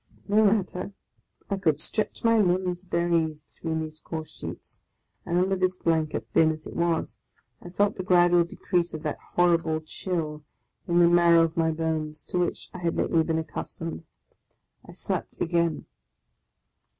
No matter! I could stretch my limbs at their ease between these coarse sheets ; and under this blanket, thin ^as it was, I felt the gradual decrease of that horrible chill in the marrow of my bones, to which I had lately been accustomed. — I slept again.